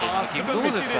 どうですか？